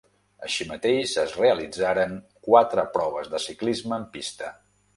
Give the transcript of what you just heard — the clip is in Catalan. Així mateix es realitzaren quatre proves de ciclisme en pista.